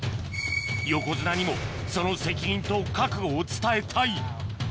横綱にもその責任と覚悟を伝えたい